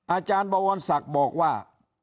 อาจารย์บวรศักดิ์บอกว่า